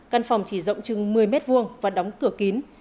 căn phòng chỉ rộng chừng một mươi m hai và đóng cửa kín